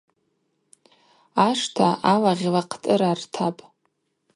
Ашта алагъьла хътӏырартапӏ.